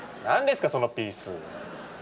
何ですかそのピース。